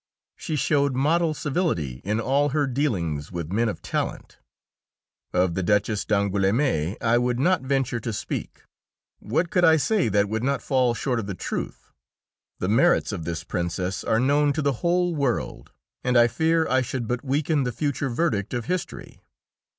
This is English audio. She showed model civility in all her dealings with men of talent. Of the Duchess d'Angoulême I would not venture to speak. What could I say that would not fall short of the truth? The merits of this Princess are known to the whole world, and I fear I should but weaken the future verdict of history.